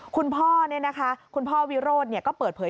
คุณพ่อนะครับคุณพ่อวิโรธเนี่ยก็เปิดเผย